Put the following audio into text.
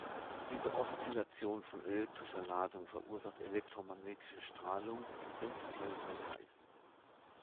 Diese Oszillation von elektrischer Ladung verursacht elektromagnetische Strahlung, die prinzipiell messbar ist.